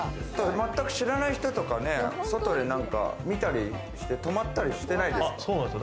全く知らない人とか外で見てたり、止まったりしてないですか？